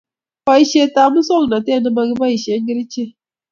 Boishet ab musongnotet nemokiboishe kerichek